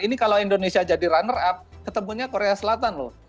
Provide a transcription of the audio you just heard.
ini kalau indonesia jadi runner up ketemunya korea selatan loh